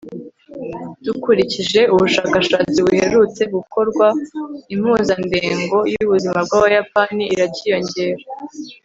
Dukurikije ubushakashatsi buherutse gukorwa impuzandengo yubuzima bwAbayapani iracyiyongera